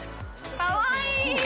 かわいい。